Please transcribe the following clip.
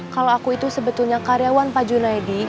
kalau aku itu sebetulnya karyawan pak junaidi